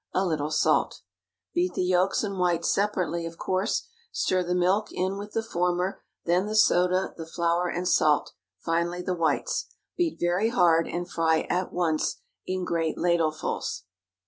A little salt. Beat the yolks and whites separately, of course; stir the milk in with the former, then the soda, the flour, and salt, finally the whites. Beat very hard, and fry at once, in great ladlefuls.